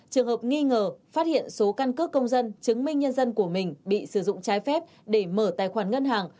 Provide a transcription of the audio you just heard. trường hợp nghi ngờ phát hiện số căn cước công dân chứng minh nhân dân của mình bị sử dụng trái phép để mở tài khoản ngân hàng